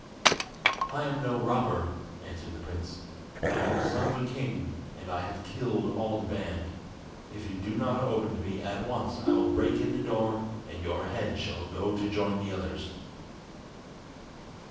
"I am no robber," answered the prince. "I am the son of a king, and I have killed all the band. If you do not open to me at once I will break in the door, and your head shall go to join the others."